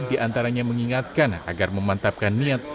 diantaranya mengingatkan agar memantapkan niat